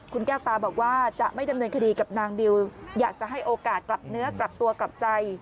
คุณแก้วตาบอกว่าจะไม่ดำเนินคดีกับนางบิวอยากจะให้โอกาสกลับเนื้อกลับตัวกลับใจ